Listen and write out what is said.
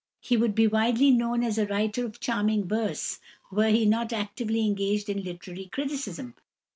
He would be widely known as a writer of charming verse were he not actively engaged in literary criticism.